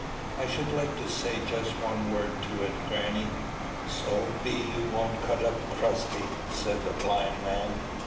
"I should like to say just one word to it, grannie, so be you won't cut up crusty," said the blind man.